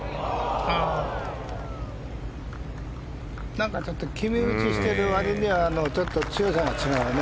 なんか決め打ちしているわりにはちょっと強さが違うね。